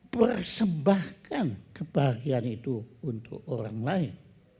persembahkan kebahagiaan itu untuk orang lain